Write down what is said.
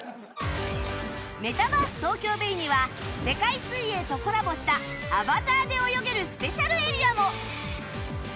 メタバース ＴＯＫＹＯＢＡＹ には世界水泳とコラボしたアバターで泳げるスペシャルエリアも